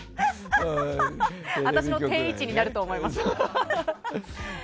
私の定位置になると思います。